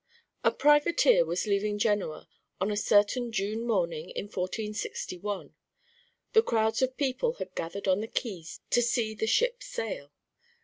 1506 A privateer was leaving Genoa on a certain June morning in 1461, and crowds of people had gathered on the quays to see the ship sail.